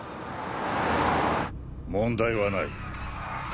問題はない。